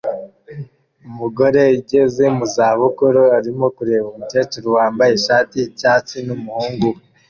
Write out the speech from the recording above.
Umugore ugeze mu za bukuru arimo kureba umukecuru wambaye ishati y'icyatsi n'umuhungu we